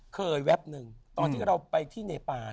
เคยแว๊บนึงตอนที่เราไปที่เนปาน